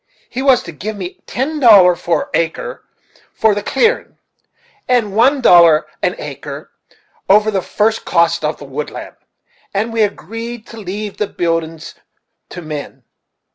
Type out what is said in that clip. He was to give me ten dollar an acre for the clearin', and one dollar an acre over the first cost on the woodland, and we agreed to leave the buildin's to men.